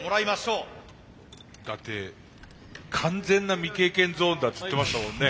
だって完全な未経験ゾーンだっつってましたもんね。